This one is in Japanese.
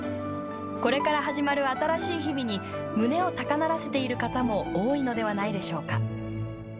これから始まる新しい日々に胸を高鳴らせている方も多いのではないでしょうか。